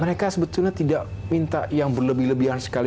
mereka sebetulnya tidak minta yang berlebihan sekali